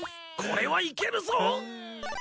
これはいけるぞ。